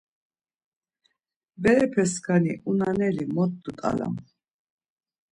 Berepe skani unaneli mot dut̆alam.